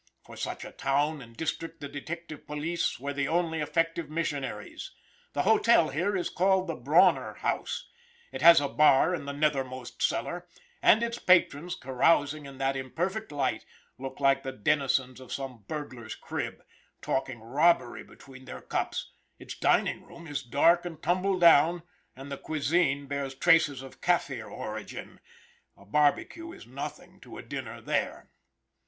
For such a town and district the detective police were the only effective missionaries. The hotel here is called the Brawner House; it has a bar in the nethermost cellar, and its patrons, carousing in that imperfect light, look like the denizens of some burglar's crib, talking robbery between their cups; its dining room is dark and tumble down, and the cuisine bears traces of Caffir origin; a barbecue is nothing to a dinner there.